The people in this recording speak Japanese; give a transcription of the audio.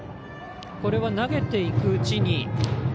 これは投げていくうちに。